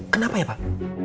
kenapa ya pak